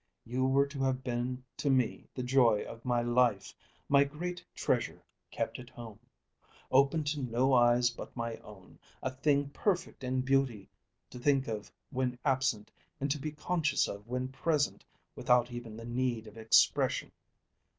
You were to have been to me the joy of my life, my great treasure kept at home, open to no eyes but my own; a thing perfect in beauty, to think of when absent and to be conscious of when present, without even the need of expression.